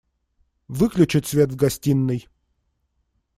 Выключить свет в гостиной!